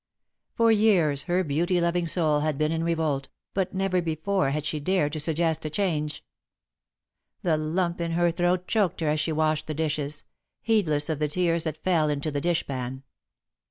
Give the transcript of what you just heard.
For years her beauty loving soul had been in revolt, but never before had she dared to suggest a change. The lump in her throat choked her as she washed the dishes, heedless of the tears that fell into the dish pan.